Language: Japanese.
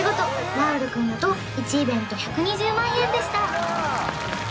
ラウール君だと１イベント１２０万円でした